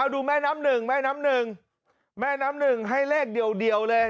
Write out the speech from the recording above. ดูแม่น้ำหนึ่งแม่น้ำหนึ่งแม่น้ำหนึ่งให้เลขเดียวเลย